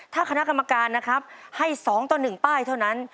ถ้าคณะกรรมการนะครับให้๒ต่อ๑ป้ายเท่านั้น